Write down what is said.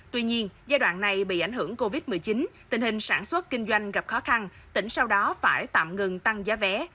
tuy nhiên giai đoạn này bị ảnh hưởng covid một mươi chín tình hình sản xuất kinh doanh gặp khó khăn tỉnh sau đó phải tạm ngừng tăng giá vé